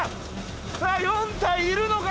さあ４体いるのか？